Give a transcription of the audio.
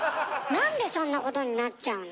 なんでそんなことになっちゃうの？